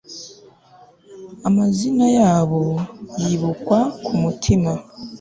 Amazina yabo yibukwa kumutima